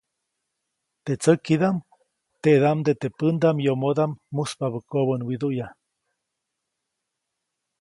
Teʼ tsäkidaʼm, teʼdaʼmde teʼ pändaʼm yomodaʼm muspabä kobänwiduʼya.